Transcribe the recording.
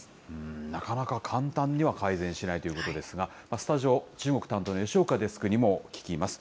なかなか簡単には改善しないということですが、スタジオ、中国担当の吉岡デスクにも聞きます。